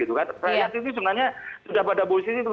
saya lihat itu sebenarnya sudah pada posisi itu